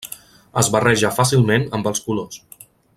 Es barreja fàcilment amb els colors.